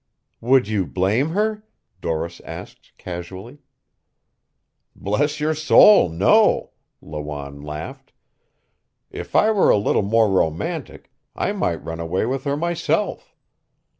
"Would you blame her?" Doris asked casually. "Bless your soul, no," Lawanne laughed. "If I were a little more romantic, I might run away with her myself.